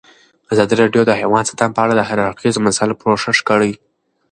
ازادي راډیو د حیوان ساتنه په اړه د هر اړخیزو مسایلو پوښښ کړی.